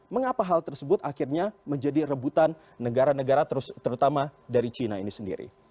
mengapa hal tersebut akhirnya menjadi rebutan negara negara terutama dari cina ini sendiri